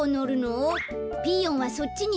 ピーヨンはそっちにすわって。